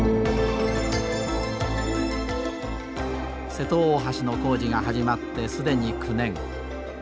瀬戸大橋の工事が始まって既に９年。